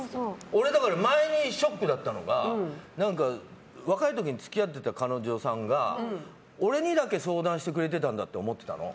俺、前にショックだったのが若い時に付き合ってた彼女さんが俺にだけ相談してくれてたんだって思ってたの。